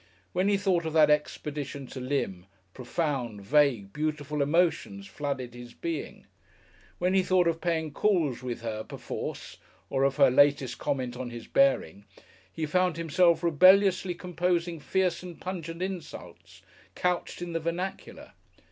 When he thought of that expedition to Lympne, profound, vague, beautiful emotions flooded his being; when he thought of paying calls with her perforce, or of her latest comment on his bearing, he found himself rebelliously composing fierce and pungent insults, couched in the vernacular.